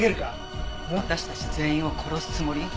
私たち全員を殺すつもり？